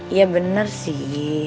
iya bener sih